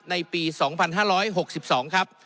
ในปี๒๕๖๒ครับ